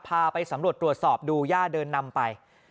พาไปสำรวจตรวจสอบดูย่าเดินนำไป